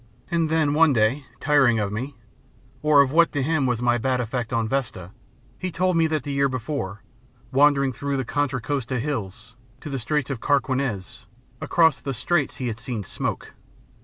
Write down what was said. And then, one day, tiring of me, or of what to him was my bad effect on Vesta, he told me that the year before, wandering through the Contra Costa Hills to the Straits of Carquinez, across the Straits he had seen a smoke.